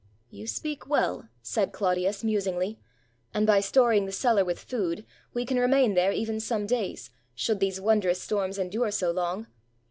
"You speak well," said Clodius, musingly. "And by storing the cellar with food, we can remain there even some days, should these wondrous storms endure so long."